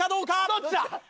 どっちだ？